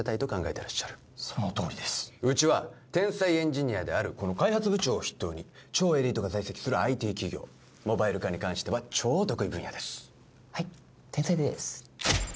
てらっしゃるそのとおりですうちは天才エンジニアであるこの開発部長を筆頭に超エリートが在籍するＩＴ企業モバイル化に関しては超得意分野ですはい天才です